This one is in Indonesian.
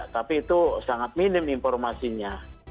tapi itu sangat minim informasinya